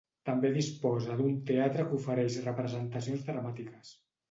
També disposa d'un teatre que ofereix representacions dramàtiques.